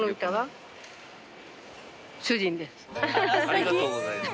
ありがとうございます。